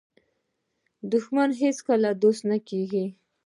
دښمن هیڅکله دوست نه کېږي